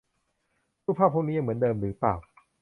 รูปภาพพวกนี้ยังเหมือนเดิมหรือเปล่า